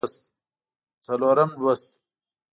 څلورم لوست